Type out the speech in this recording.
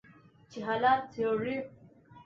چې حالات څیړي